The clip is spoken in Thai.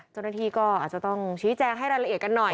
เจ้านักแม่นี่จะอาจจะต้องชี้แจ้งให้ร้านละเอียดกันหน่อย